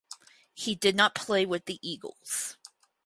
He did not play with the Eagles.